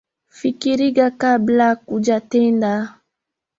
Fikiriga kabla kujatenda.